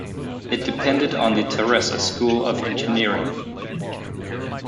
It depended on the Terrassa School of Engineering.